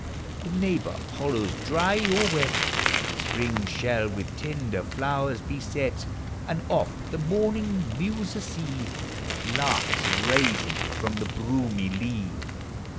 The neighbor hollows, dry or wet. Spring shall with tender (lowers beset; And oft the morning muser see 27S POUMS OF HOME. Larks rising from the hrooniv lea.